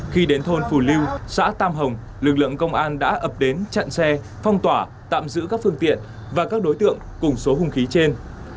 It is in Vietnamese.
khi đến thôn phù lưu xã tam hồng lực lượng công an đã ập đến chặn xe phong tỏa tạm giữ các phương tiện và các đối tượng cùng số hùng khí trên